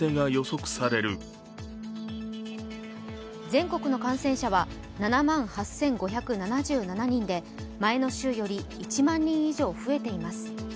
全国の感染者は７万８５７７人で前の週より１万人以上増えています